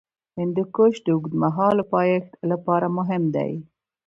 هندوکش د اوږدمهاله پایښت لپاره مهم دی.